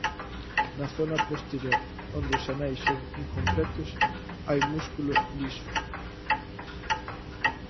Na zona posterior onde os aneis son incompletos hai músculo liso.